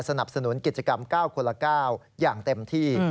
สนับสนุนกิจกรรม๙คนละ๙อย่างเต็มที่